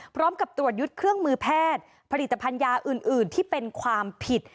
พร้อมกับตรวจยึดเครื่องมือแพทย์ผลิตภัณฑ์ยาอื่นที่เป็นความผิด